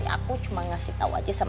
aku cuma ngasih tau aja sama mas